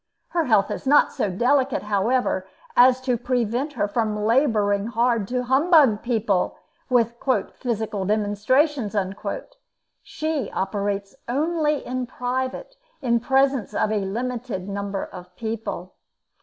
Her health is not so delicate, however, as to prevent her from laboring hard to humbug people with "physical demonstrations." She operates only in private, in presence of a limited number of people.